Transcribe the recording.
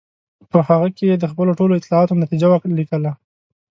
په هغه کې یې د خپلو ټولو اطلاعاتو نتیجه ولیکله.